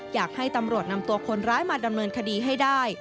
อยากให้ตำรวจนำตัวคนร้ายมาดำเนินคดีให้ได้